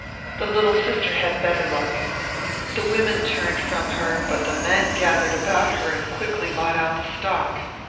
The little sister had better luck. The women turned from her, but the men gathered about her and quickly bought out the stock.